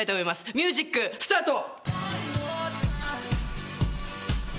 ミュージックスタート。